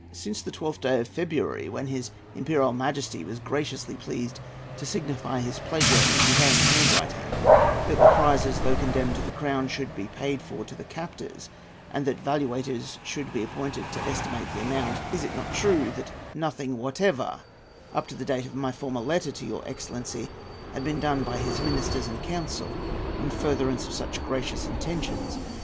Since the 12th day of February, when his Imperial Majesty was graciously pleased to signify his pleasure in his own handwriting that the prizes, though condemned to the crown, should be paid for to the captors, and that valuators should be appointed to estimate the amount, is it not true that nothing whatever, up to the date of my former letter to your excellency, had been done by his ministers and council in furtherance of such his gracious intentions?